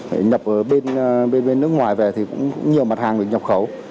hãy nhập ở bên nước ngoài về thì cũng nhiều mặt hàng được nhập khẩu